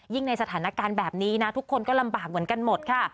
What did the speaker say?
ในสถานการณ์แบบนี้นะทุกคนก็ลำบากเหมือนกันหมดค่ะ